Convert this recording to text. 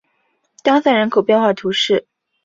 当塞人口变化图示